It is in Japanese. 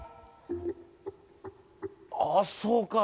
あっそうか。